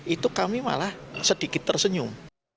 itu kami malah sedikit tersenyum